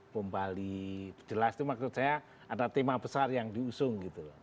pembali jelas itu maksud saya ada tema besar yang diusung gitu